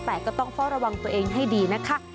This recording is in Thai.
แต่ก็ต้องเฝ้าระวังตัวเองให้ดีนะคะ